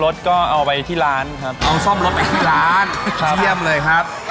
โชคความแม่นแทนนุ่มในศึกที่๒กันแล้วล่ะครับ